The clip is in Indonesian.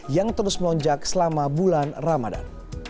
yang terus melonjak selama bulan ramadan